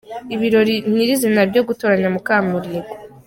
Ibirori nyir’izina byo gutoranya Mukamurigo.